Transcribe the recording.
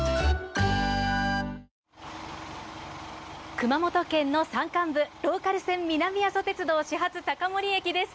熊本県の山間部、ローカル線・南阿蘇鉄道の始発、高森駅です。